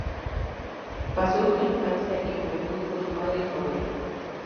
Pasó su infancia y juventud con su madre y su abuela.